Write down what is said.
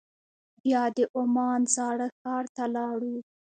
بیا د عمان زاړه ښار ته لاړو.